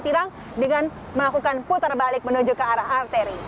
tilang dengan melakukan putar balik menuju ke arah arteri